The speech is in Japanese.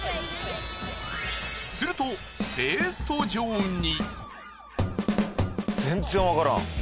するとペースト状に。